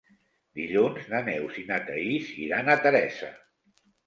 Dilluns na Neus i na Thaís iran a Teresa.